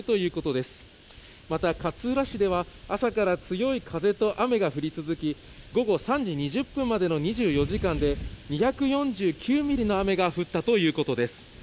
また、勝浦市では朝から強い風と雨が降り続き、午後３時２０分までの２４時間で、２４９ミリの雨が降ったということです。